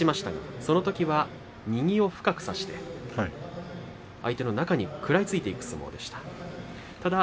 そのときは右を深く差して相手の中に食らいついていく相撲でした。